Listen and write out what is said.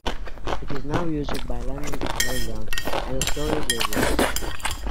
It is now used by London Underground as a storage area.